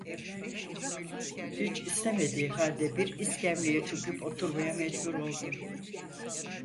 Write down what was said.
Hiç istemediği halde bir iskemleye çöküp oturmaya mecbur oldu.